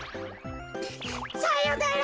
さよなら。